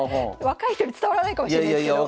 若い人に伝わらないかもしれないですけど。